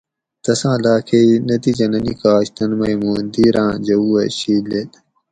تساں لا کئ نتیجہ نہ نِکاش تن مئ موں دیر آۤں جوؤ اۤ شید لید